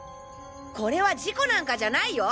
これは事故なんかじゃないよ！